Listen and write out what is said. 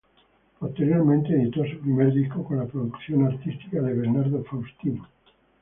Posteriormente editó su primer disco con la producción artística de Bernardo Faustino.